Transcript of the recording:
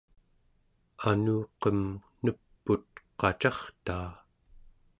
anuqem nep'ut qacartaa